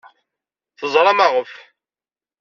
Teẓra maɣef.